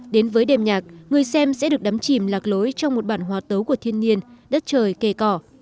đến với đềm nhạc người xem sẽ được đắm chìm lạc lối trong một bản hòa tấu của thiên nhiên đất trời kề cỏ